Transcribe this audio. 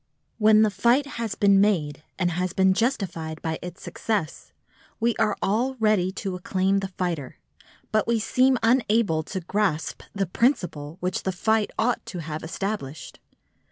When the fight has been made and has been justified by its success, we are all ready to acclaim the fighter, but we seem unable to grasp the principle which the fight ought to have established.